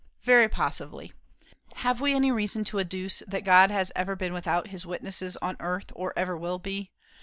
Very possibly. Have we any reason to adduce that God has ever been without his witnesses on earth, or ever will be?